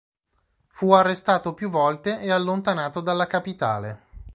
Fu arrestato più volte e allontanato dalla capitale.